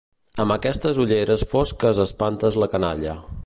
Amb aquestes ulleres fosques espantes la canalla.